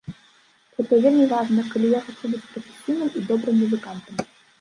Гэта вельмі важна, калі я хачу быць прафесійным і добрым музыкантам.